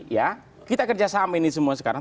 ya kita kerjasama ini semua sekarang